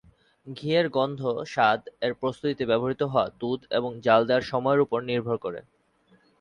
ঘি এর গন্ধ-স্বাদ এর প্রস্তুতিতে ব্যবহৃত হওয়া দুধ এবং জ্বাল দেয়ার সময়ের ওপর নির্ভর করে।